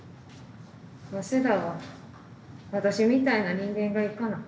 早稲田は私みたいな人間が行かな。